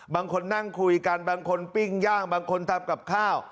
บางคนนั่งคุยกันบางคนปิ้งย่างบางคนทำกับข้าว